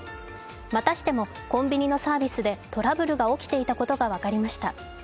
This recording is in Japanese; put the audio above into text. またしてもコンビニのサービスでトラブルが起きていたことが分かりました。